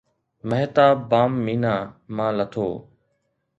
مهتاب بام مينا مان لٿو